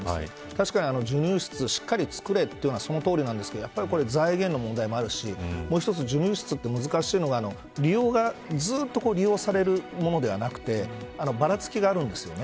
確かに授乳室しっかり作れというのはそのとおりなんですが財源の問題もあるしもう一つ授乳室って難しいのがずっと利用されるものではなくてばらつきがあるんですよね。